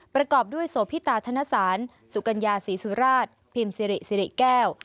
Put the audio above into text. ประกอบด้วยโสพิตาธนสารสุกัญญาศรีสุราชพิมซิริสิริแก้ว